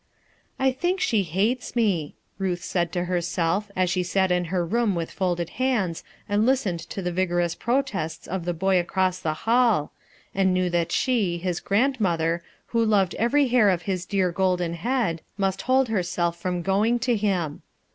"I think she hates me," Ruth said to herself as she sat in her room with folded hands and listened to the vigorous protests of the boy across the hall, and knew that she, hLs grand* mother, who loved every hair of his dear golden head, must hold herself from going to him.